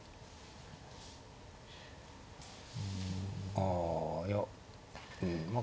ああいやうんまあ